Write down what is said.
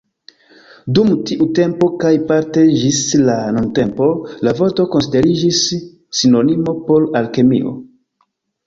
Dum tiu tempo kaj parte ĝis la nuntempo, la vorto konsideriĝis sinonimo por Alkemio.